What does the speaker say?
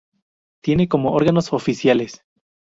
Tiene como órganos oficiales